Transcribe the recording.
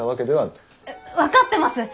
分かってます！